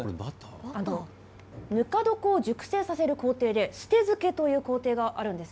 ぬか床を熟成させる工程で捨て漬けという工程があります。